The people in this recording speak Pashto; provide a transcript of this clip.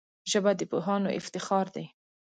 ژبه د پوهانو افتخار دی